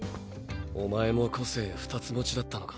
おまえも個性２つ持ちだったのか？